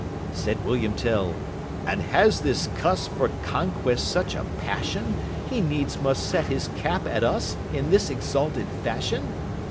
Said William Tell, "And has this cuss For conquest such a passion He needs must set his cap at us In this exalted fashion?"